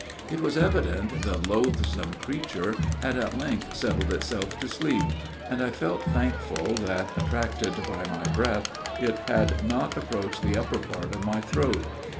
It was evident the loathsome creature had at length settled itself to sleep; and I felt thankful that, attracted by my breath, it had not approached the upper part of my throat.